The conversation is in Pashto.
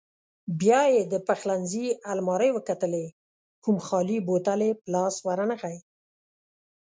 بیا یې د پخلنځي المارۍ وکتلې، کوم خالي بوتل یې په لاس ورنغی.